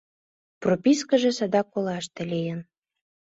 Пропискыже садак олаште лийын.